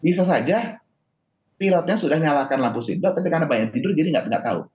bisa saja pilotnya sudah nyalakan lampu sindo tapi karena banyak yang tidur jadi nggak tahu